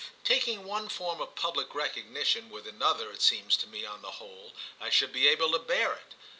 "Taking one form of public recognition with another it seems to me on the whole I should be able to bear it.